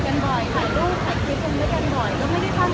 อยากคุยกับใครอยากจะไปเที่ยวหน่อย